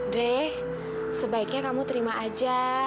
deh sebaiknya kamu terima aja